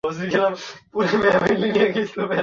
গোরা কহিল, মা, আর-একটু দুধ এনে দাও।